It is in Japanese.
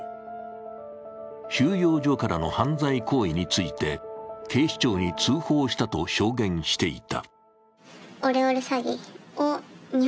収容所からの犯罪行為について、警視庁に通報したと証言していた。